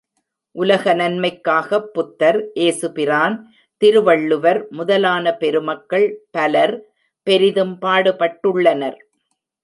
உலக நன்மைக்காகப் புத்தர், ஏசு பிரான், திருவள்ளுவர் முதலான பெருமக்கள் பலர் பெரிதும் பாடுபட்டுள்ளனர்.